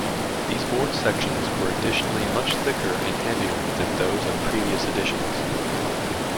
These board sections were additionally much thicker and heavier than those of previous editions.